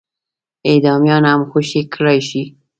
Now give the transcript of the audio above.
اعدامیان هم خوشي کړای شي.